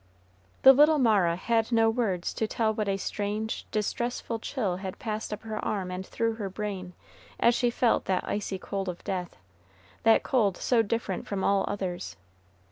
The little Mara had no words to tell what a strange, distressful chill had passed up her arm and through her brain, as she felt that icy cold of death, that cold so different from all others.